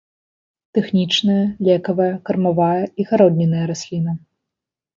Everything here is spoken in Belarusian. Тэхнічная, лекавая, кармавая і гароднінная расліна.